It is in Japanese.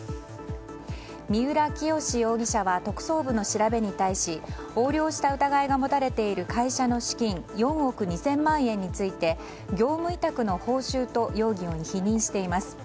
三浦清志容疑者は特捜部の調べに対し横領した疑いがもたれている会社の資金４億２０００万円について業務委託の報酬と容疑を否認しています。